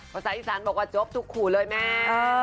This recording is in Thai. ภาษาอีสานบอกว่าจบทุกขู่เลยแม่